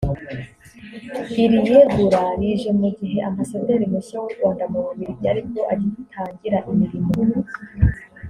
Iri yegura rije mu gihe ambasaderi mushya w’u Rwanda mu Bubiligi ari bwo agitangira imirimo